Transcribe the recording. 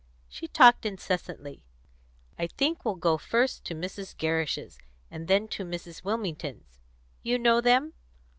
She talked incessantly. "I think we'll go first to Mrs. Gerrish's, and then to Mrs. Wilmington's. You know them?"